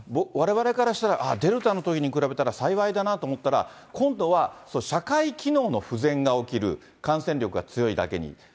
われわれからしたら、ああ、デルタのときに比べたら幸いだなと思ったら、今度は社会機能の不全が起きる、感染力が強いだけに。